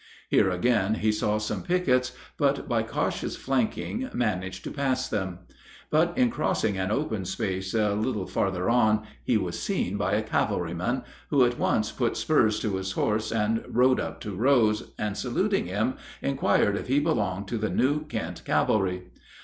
Here again he saw some pickets, but by cautious flanking managed to pass them; but in crossing an open space a little farther on he was seen by a cavalryman, who at once put spurs to his horse and rode up to Rose, and, saluting him, inquired if he belonged to the New Kent Cavalry.